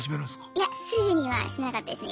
いやすぐにはしなかったですね。